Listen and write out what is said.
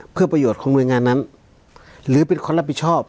เพื่อประโยชน์ของหน่วยงานนั้นหรือเป็นคนรับผิดชอบ